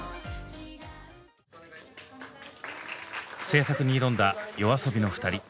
制作に挑んだＹＯＡＳＯＢＩの２人。